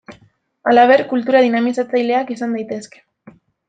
Halaber, kultura dinamizatzaileak izan daitezke.